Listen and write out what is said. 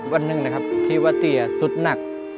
วันหนึ่งนะครับที่ว่าเตี๋ยสุดหนัก